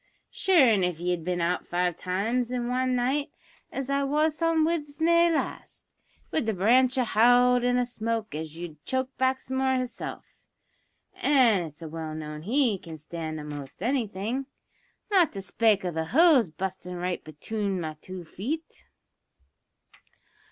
Sure, if ye had bin out five times in wan night as I wos on Widsenday last, wid the branch to howld in a smoke as 'ud choke Baxmore hisself (an' it's well known he can stand a'most anything), not to spake o' the hose bu'stin' right betune me two feet."